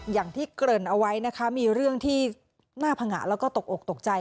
อย่างที่เกริ่นเอาไว้นะคะมีเรื่องที่น่าผงะแล้วก็ตกอกตกใจ